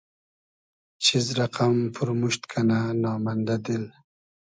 چیز رئقئم پورموشت کئنۂ نامئندۂ دیل